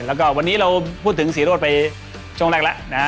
แล้วก็วันนี้เราพูดถึงศรีโรธไปช่วงแรกแล้วนะฮะ